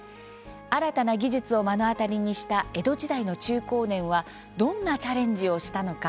新たな技術を目の当たりにした江戸時代の中高年はどんなチャレンジをしたのか。